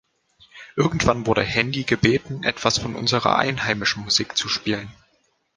Irgendwann wurde Handy gebeten, "etwas von unserer einheimischen Musik zu spielen".